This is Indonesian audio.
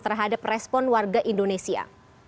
terhadap respon warga indonesia